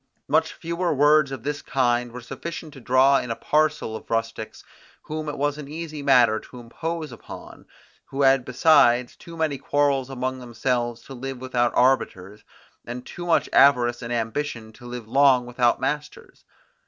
Much fewer words of this kind were sufficient to draw in a parcel of rustics, whom it was an easy matter to impose upon, who had besides too many quarrels among themselves to live without arbiters, and too much avarice and ambition to live long without masters.